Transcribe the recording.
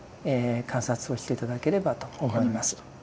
観察をして頂ければと思います。